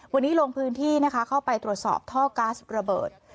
วันนี้ลงพื้นที่นะคะเข้าไปตรวจสอบท่อก๊าซระเบิด